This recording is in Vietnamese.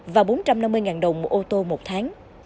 và bốn trăm năm mươi đồng một ô tô một tháng